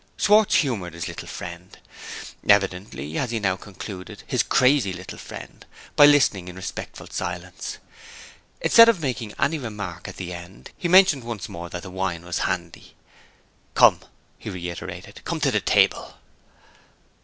Schwartz humored his little friend (evidently, as he now concluded, his crazy little friend), by listening in respectful silence. Instead of making any remark at the end, he mentioned once more that the wine was handy. "Come!" he reiterated; "come to the table!"